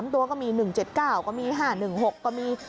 ตัวก็มี๑๗๙ก็มี๕๑๖ก็มี